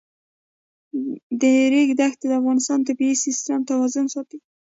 د ریګ دښتې د افغانستان د طبعي سیسټم توازن ساتي.